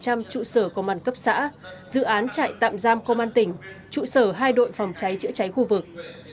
một trăm linh trụ sở công an cấp xã dự án trại tạm giam công an tỉnh trụ sở hai đội phòng cháy chữa cháy khu vực